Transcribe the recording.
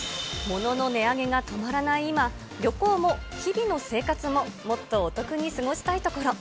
物の値上げが止まらない今、旅行も日々の生活も、もっとお得に過ごしたいところ。